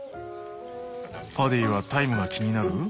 パディはタイムが気になる？